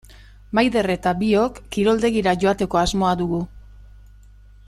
Maider eta biok kiroldegira joateko asmoa dugu.